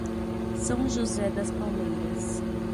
São José das Palmeiras